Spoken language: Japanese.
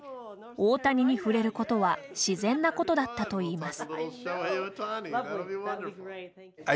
大谷に触れることは自然なことだったといいます。